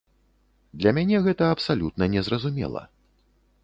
Для мяне гэта абсалютна не зразумела.